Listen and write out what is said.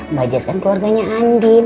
mbak jas kan keluarganya andin